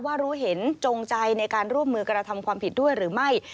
รู้เห็นจงใจในการร่วมมือกระทำความผิดด้วยหรือไม่